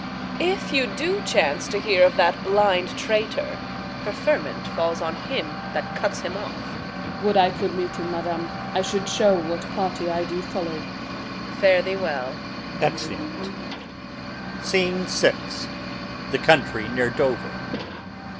If you do chance to hear of that blind traitor, Preferment falls on him that cuts him off. Osw. Would I could meet him, madam! I should show What party I do follow. Reg. Fare thee well. Exeunt. Scene VI. The country near Dover.